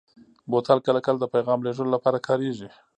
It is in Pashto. بوتل کله کله د پیغام لېږلو لپاره کارېږي.